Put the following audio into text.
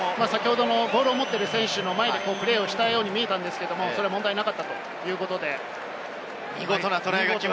ボールを持ってる選手の前でプレーをしたように見えたんですが、それは問題なかったということで、見事ですね。